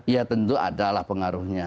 ya tentu adalah pengaruhnya